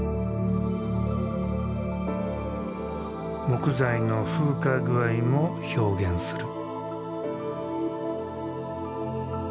木材の風化具合も表現する。